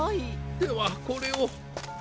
ではこれを。